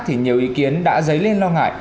thì nhiều ý kiến đã dấy lên lo ngại